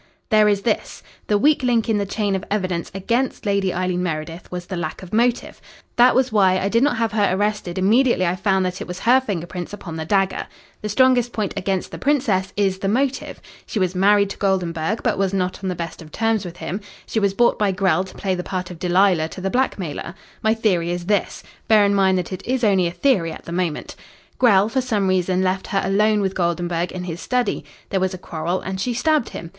"There is this. The weak link in the chain of evidence against Lady Eileen Meredith was the lack of motive. That was why I did not have her arrested immediately I found that it was her finger prints upon the dagger. The strongest point against the Princess is the motive. She was married to Goldenburg, but was not on the best of terms with him. She was bought by Grell to play the part of Delilah to the blackmailer. My theory is this bear in mind that it is only a theory at the moment. Grell, for some reason, left her alone with Goldenburg in his study. There was a quarrel, and she stabbed him.